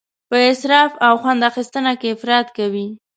په اسراف او خوند اخیستنه کې افراط کوي.